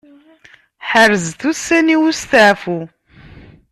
Ḥerzet ussan-iw n usteɛfu.